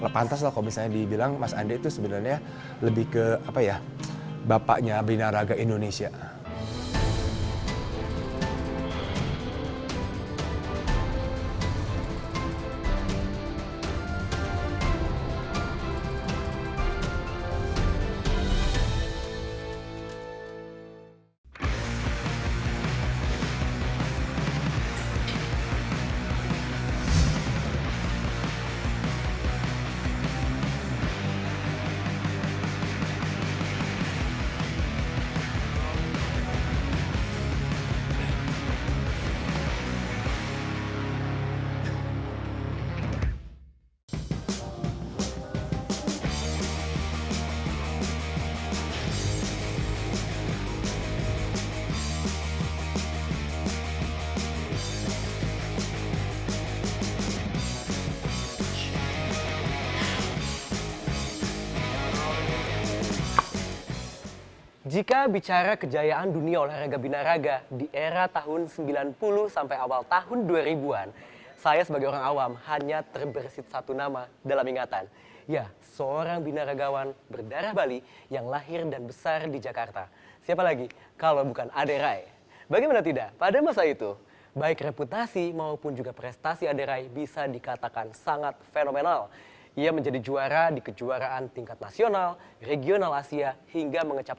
pantas kalau misalnya dibilang mas andi itu sebenarnya lebih ke bapaknya binaraga indonesia